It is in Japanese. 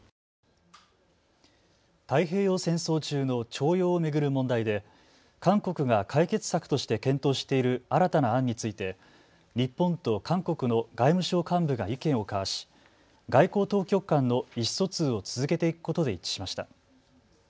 太平洋戦争中の徴用を巡る問題で韓国が解決策として検討している新たな案について日本と韓国の外務省幹部が意見を交わし外交当局間の意思疎通を続けていくことで一致しました。